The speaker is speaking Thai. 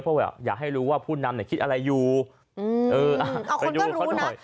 เพราะแบบอยากให้รู้ว่าผู้นำเนี่ยคิดอะไรอยู่ไปดูเขาหน่อย